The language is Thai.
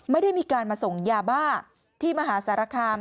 ไม่ได้มีการมาส่งยาบ้าที่มหาสารคาม